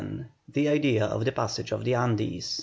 THE IDEA OF THE PASSAGE OF THE ANDES.